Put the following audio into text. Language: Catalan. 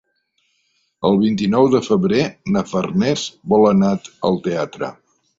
El vint-i-nou de febrer na Farners vol anar al teatre.